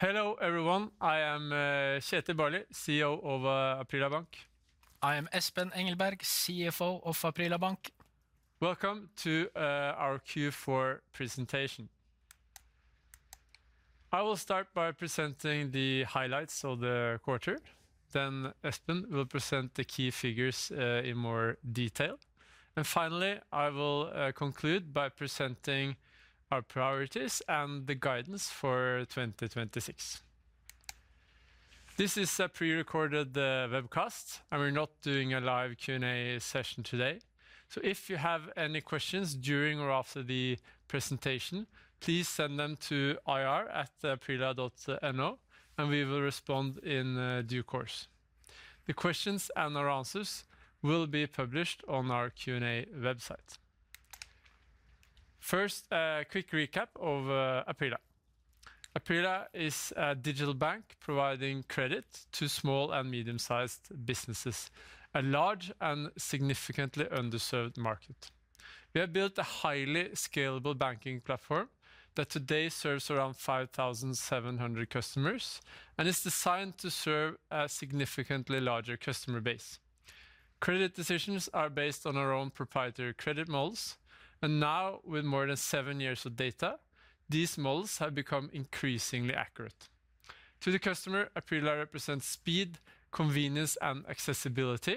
Hello, everyone. I am Kjetil Barli, CEO of Aprila Bank. I am Espen Engelberg, CFO of Aprila Bank. Welcome to our Q4 presentation. I will start by presenting the highlights of the quarter, then Espen will present the key figures in more detail. And finally, I will conclude by presenting our priorities and the guidance for 2026. This is a prerecorded webcast, and we're not doing a live Q&A session today. So if you have any questions during or after the presentation, please send them to ir@aprila.no, and we will respond in due course. The questions and our answers will be published on our Q&A website. First, a quick recap of Aprila. Aprila is a digital bank providing credit to small and medium-sized businesses, a large and significantly underserved market. We have built a highly scalable banking platform that today serves around 5,700 customers and is designed to serve a significantly larger customer base. Credit decisions are based on our own proprietary credit models, and now, with more than seven years of data, these models have become increasingly accurate. To the customer, Aprila represents speed, convenience, and accessibility,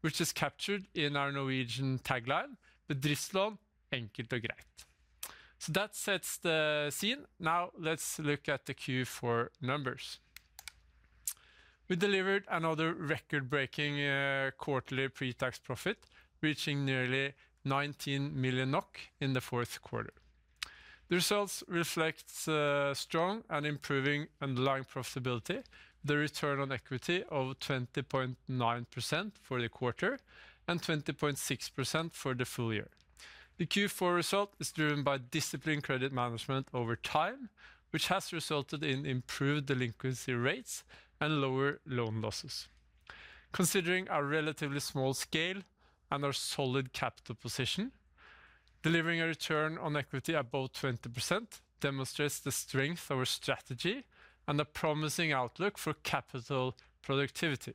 which is captured in our Norwegian tagline, "Bedriftslån: Enkelt og greit!" So that sets the scene. Now let's look at the Q4 numbers. We delivered another record-breaking quarterly pre-tax profit, reaching nearly 19 million NOK in the fourth quarter. The results reflect strong and improving underlying profitability, the return on equity of 20.9% for the quarter and 20.6% for the full year. The Q4 result is driven by disciplined credit management over time, which has resulted in improved delinquency rates and lower loan losses. Considering our relatively small scale and our solid capital position, delivering a return on equity above 20% demonstrates the strength of our strategy and a promising outlook for capital productivity.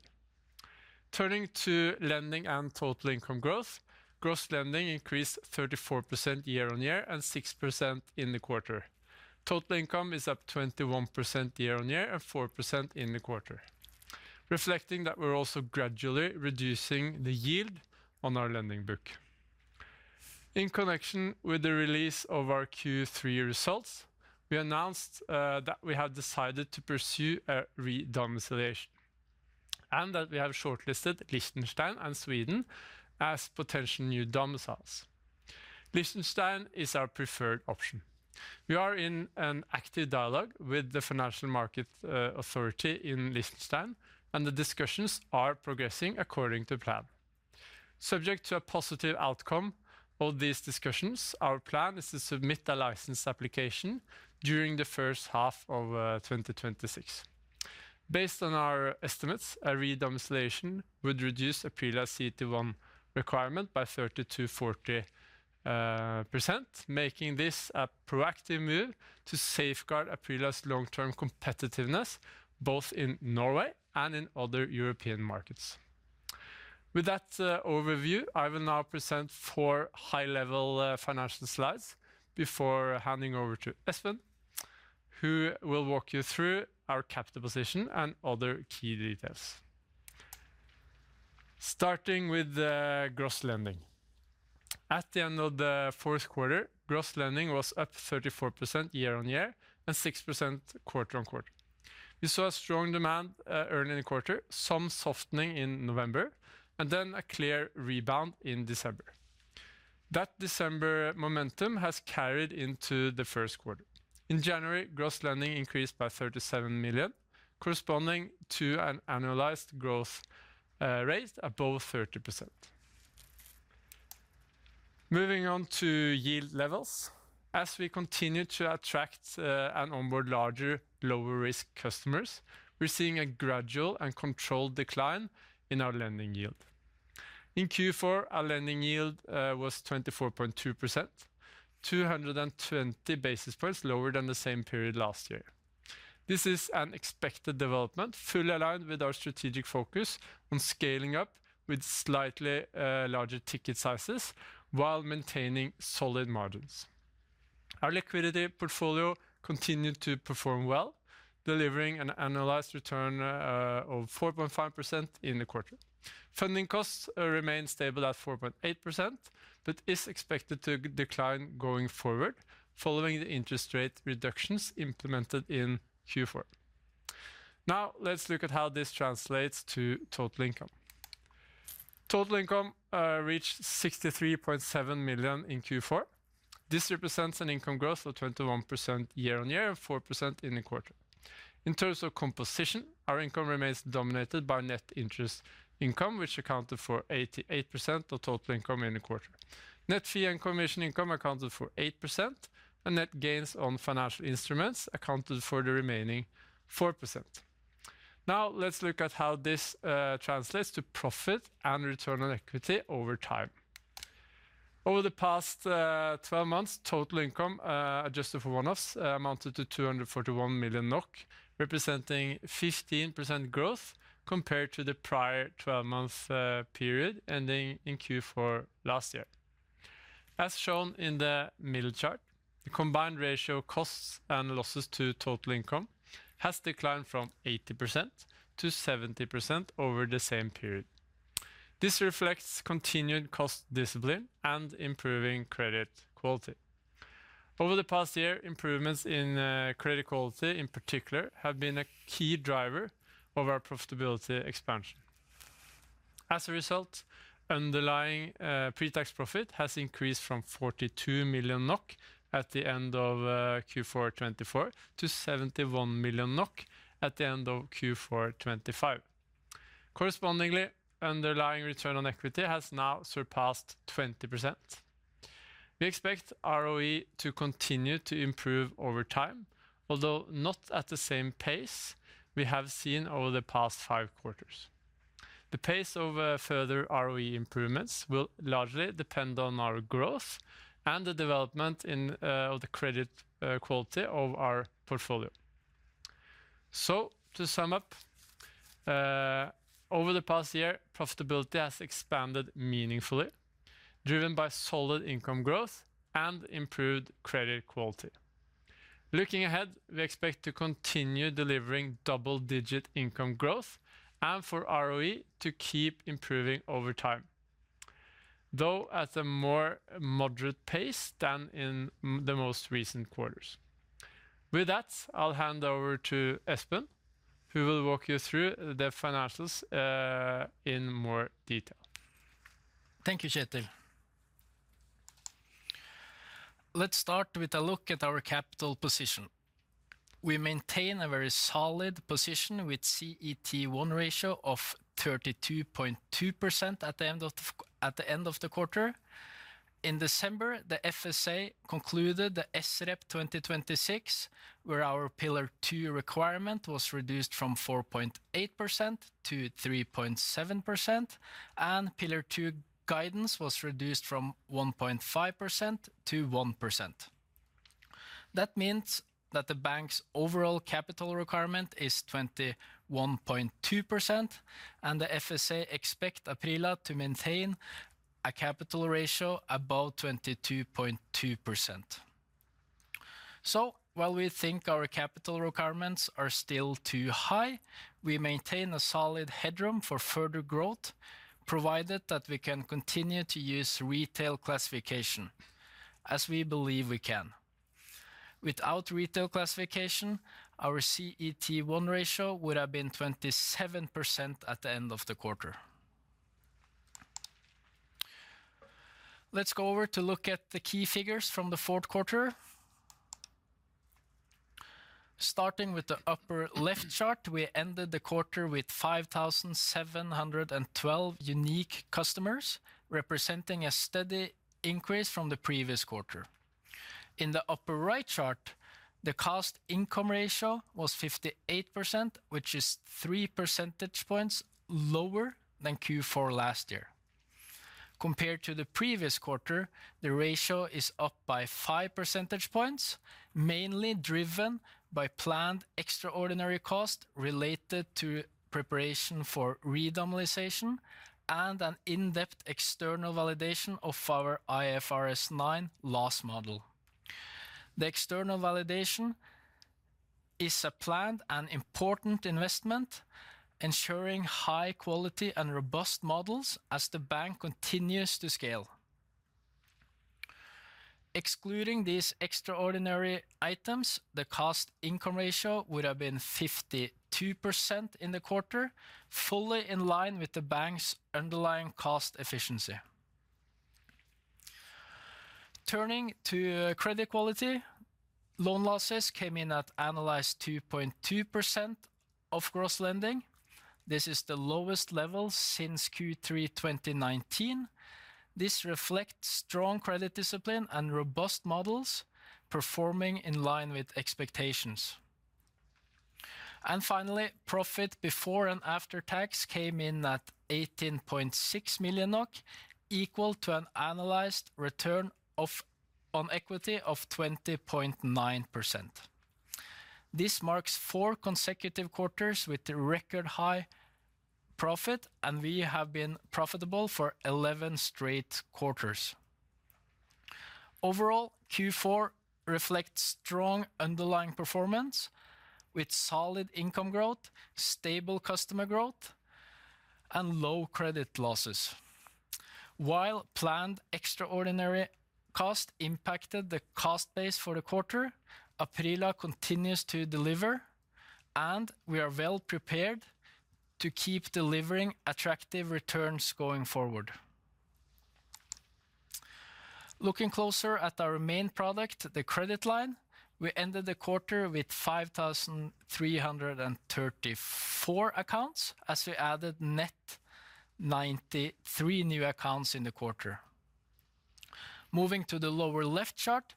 Turning to lending and total income growth, gross lending increased 34% year-on-year and 6% in the quarter. Total income is up 21% year-on-year and 4% in the quarter, reflecting that we're also gradually reducing the yield on our lending book. In connection with the release of our Q3 results, we announced that we have decided to pursue a re-domiciliation and that we have shortlisted Liechtenstein and Sweden as potential new domiciles. Liechtenstein is our preferred option. We are in an active dialogue with the Financial Market Authority in Liechtenstein, and the discussions are progressing according to plan. Subject to a positive outcome of these discussions, our plan is to submit a license application during the first half of 2026. Based on our estimates, a re-domiciliation would reduce Aprila CET1 requirement by 30%-40%, making this a proactive move to safeguard Aprila's long-term competitiveness, both in Norway and in other European markets. With that overview, I will now present four high-level financial slides before handing over to Espen, who will walk you through our capital position and other key details. Starting with gross lending. At the end of the fourth quarter, gross lending was up 34% year-on-year and 6% quarter-on-quarter. We saw a strong demand early in the quarter, some softening in November, and then a clear rebound in December. That December momentum has carried into the first quarter. In January, gross lending increased by 37 million, corresponding to an annualized growth rate above 30%. Moving on to yield levels. As we continue to attract and onboard larger, lower-risk customers, we're seeing a gradual and controlled decline in our lending yield. In Q4, our lending yield was 24.2%, 220 basis points lower than the same period last year. This is an expected development, fully aligned with our strategic focus on scaling up with slightly larger ticket sizes while maintaining solid margins. Our liquidity portfolio continued to perform well, delivering an annualized return of 4.5% in the quarter. Funding costs remain stable at 4.8%, but is expected to decline going forward following the interest rate reductions implemented in Q4. Now, let's look at how this translates to total income. Total income reached 63.7 million NOK in Q4. This represents an income growth of 21% year-on-year and 4% in the quarter. In terms of composition, our income remains dominated by net interest income, which accounted for 88% of total income in the quarter. Net fee and commission income accounted for 8%, and net gains on financial instruments accounted for the remaining 4%. Now, let's look at how this translates to profit and return on equity over time. Over the past 12 months, total income adjusted for one-offs amounted to 241 million NOK, representing 15% growth compared to the prior 12-month period ending in Q4 last year. As shown in the middle chart, the combined ratio of costs and losses to total income has declined from 80%-70% over the same period. This reflects continued cost discipline and improving credit quality. Over the past year, improvements in credit quality, in particular, have been a key driver of our profitability expansion. As a result, underlying pre-tax profit has increased from 42 million NOK at the end of Q4 2024 to 71 million NOK at the end of Q4 2025. Correspondingly, underlying return on equity has now surpassed 20%. We expect ROE to continue to improve over time, although not at the same pace we have seen over the past five quarters. The pace of further ROE improvements will largely depend on our growth and the development of the credit quality of our portfolio. So to sum up, over the past year, profitability has expanded meaningfully, driven by solid income growth and improved credit quality. Looking ahead, we expect to continue delivering double-digit income growth and for ROE to keep improving over time, though at a more moderate pace than in the most recent quarters. With that, I'll hand over to Espen, who will walk you through the financials, in more detail. Thank you, Kjetil. Let's start with a look at our capital position. We maintain a very solid position with CET1 ratio of 32.2% at the end of the quarter. In December, the FSA concluded the SREP 2026, where our Pillar Two requirement was reduced from 4.8% to 3.7%, and Pillar Two guidance was reduced from 1.5% to 1%. That means that the bank's overall capital requirement is 21.2%, and the FSA expect Aprila to maintain a capital ratio above 22.2%. So while we think our capital requirements are still too high, we maintain a solid headroom for further growth, provided that we can continue to use retail classification, as we believe we can. Without retail classification, our CET1 ratio would have been 27% at the end of the quarter. Let's go over to look at the key figures from the fourth quarter. Starting with the upper left chart, we ended the quarter with 5,712 unique customers, representing a steady increase from the previous quarter. In the upper right chart, the cost income ratio was 58%, which is three percentage points lower than Q4 last year. Compared to the previous quarter, the ratio is up by five percentage points, mainly driven by planned extraordinary costs related to preparation for re-domiciliation and an in-depth external validation of our IFRS 9 loss model. The external validation is a planned and important investment, ensuring high quality and robust models as the bank continues to scale. Excluding these extraordinary items, the cost income ratio would have been 52% in the quarter, fully in line with the bank's underlying cost efficiency. Turning to credit quality, loan losses came in at annualized 2.2% of gross lending. This is the lowest level since Q3 2019. This reflects strong credit discipline and robust models performing in line with expectations. Finally, profit before and after tax came in at 18.6 million NOK, equal to an annualized return on equity of 20.9%. This marks four consecutive quarters with the record high profit, and we have been profitable for 11 straight quarters. Overall, Q4 reflects strong underlying performance with solid income growth, stable customer growth, and low credit losses. While planned extraordinary cost impacted the cost base for the quarter, Aprila continues to deliver, and we are well prepared to keep delivering attractive returns going forward. Looking closer at our main product, the credit line, we ended the quarter with 5,334 accounts, as we added net 93 new accounts in the quarter. Moving to the lower left chart.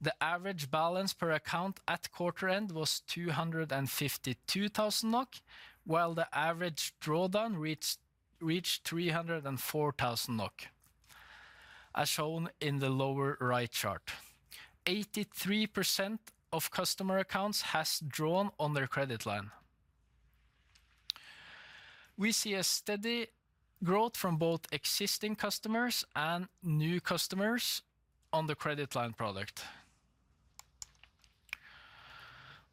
The average balance per account at quarter end was 252,000 NOK, while the average drawdown reached 304,000 NOK, as shown in the lower right chart. 83% of customer accounts has drawn on their credit line. We see a steady growth from both existing customers and new customers on the credit line product.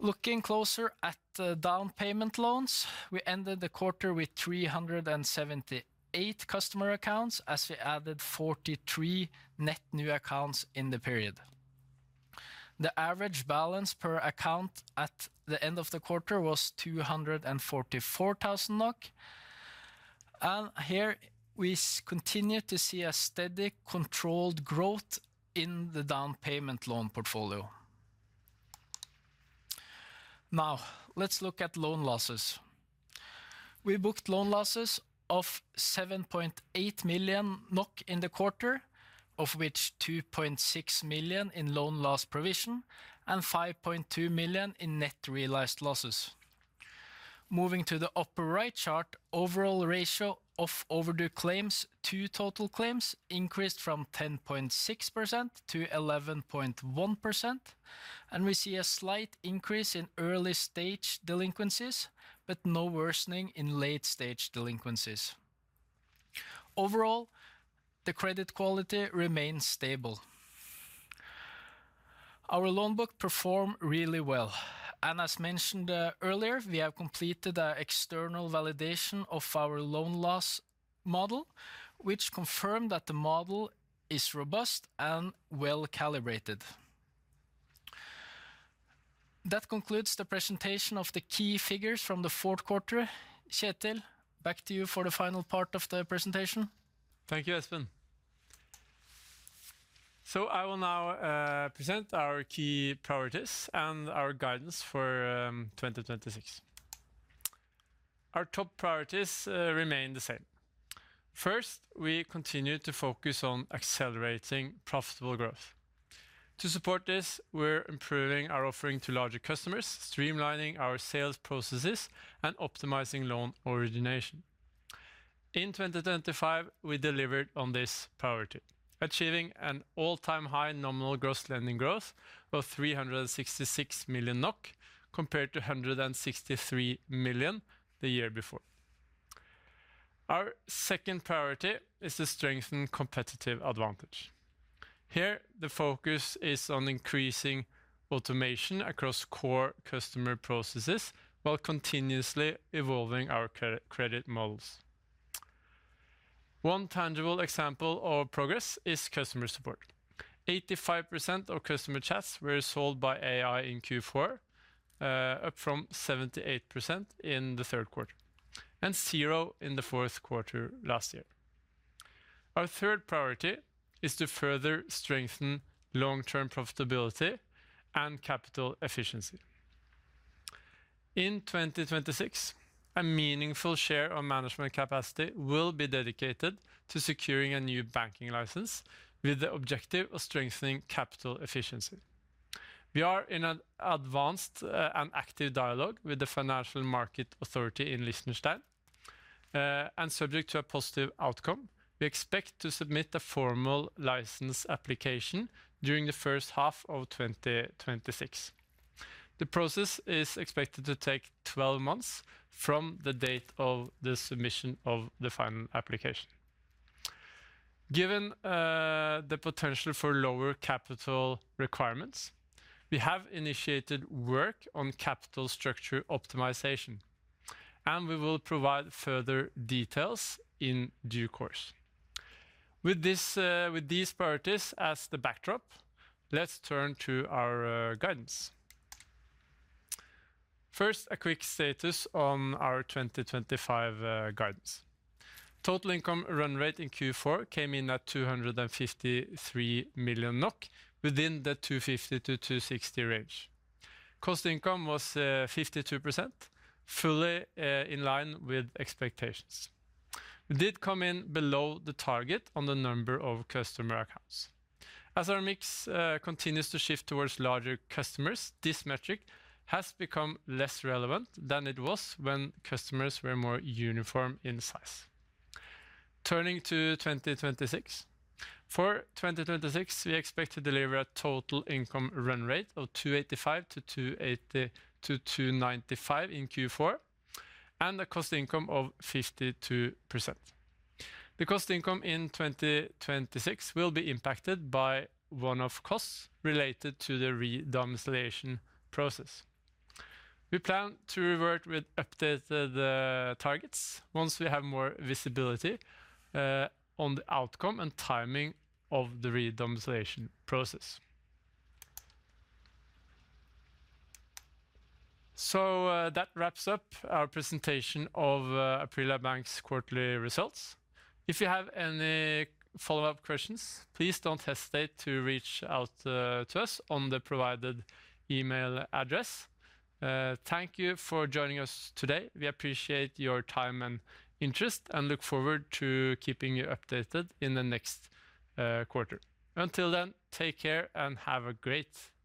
Looking closer at the down payment loans, we ended the quarter with 378 customer accounts, as we added 43 net new accounts in the period. The average balance per account at the end of the quarter was 244,000 NOK, and here we continue to see a steady, controlled growth in the down payment loan portfolio. Now, let's look at loan losses. We booked loan losses of 7.8 million NOK in the quarter, of which 2.6 million in loan loss provision and 5.2 million in net realized losses. Moving to the upper right chart, overall ratio of overdue claims to total claims increased from 10.6% to 11.1%, and we see a slight increase in early-stage delinquencies, but no worsening in late-stage delinquencies. Overall, the credit quality remains stable. Our loan book performed really well, and as mentioned earlier, we have completed an external validation of our loan loss model, which confirmed that the model is robust and well-calibrated. That concludes the presentation of the key figures from the fourth quarter. Kjetil, back to you for the final part of the presentation. Thank you, Espen. So I will now present our key priorities and our guidance for 2026. Our top priorities remain the same. First, we continue to focus on accelerating profitable growth. To support this, we're improving our offering to larger customers, streamlining our sales processes, and optimizing loan origination. In 2025, we delivered on this priority, achieving an all-time high nominal gross lending growth of 366 million NOK, compared to 163 million the year before. Our second priority is to strengthen competitive advantage. Here, the focus is on increasing automation across core customer processes, while continuously evolving our credit models. One tangible example of progress is customer support. 85% of customer chats were solved by AI in Q4, up from 78% in the third quarter, and zero in the fourth quarter last year. Our third priority is to further strengthen long-term profitability and capital efficiency. In 2026, a meaningful share of management capacity will be dedicated to securing a new banking license, with the objective of strengthening capital efficiency. We are in an advanced and active dialogue with the Financial Market Authority in Liechtenstein and subject to a positive outcome, we expect to submit a formal license application during the first half of 2026. The process is expected to take 12 months from the date of the submission of the final application. Given the potential for lower capital requirements, we have initiated work on capital structure optimization, and we will provide further details in due course. With this, with these priorities as the backdrop, let's turn to our guidance. First, a quick status on our 2025 guidance. Total income run rate in Q4 came in at 253 million NOK, within the 250 million-260 million range. Cost income was 52%, fully in line with expectations. We did come in below the target on the number of customer accounts. As our mix continues to shift towards larger customers, this metric has become less relevant than it was when customers were more uniform in size. Turning to 2026. For 2026, we expect to deliver a total income run rate of 285 million-295 million in Q4, and a cost income of 52%. The cost income in 2026 will be impacted by one-off costs related to the re-domiciliation process. We plan to revert with updated targets once we have more visibility on the outcome and timing of the re-domiciliation process. That wraps up our presentation of Aprila Bank's quarterly results. If you have any follow-up questions, please don't hesitate to reach out to us on the provided email address. Thank you for joining us today. We appreciate your time and interest and look forward to keeping you updated in the next quarter. Until then, take care and have a great day.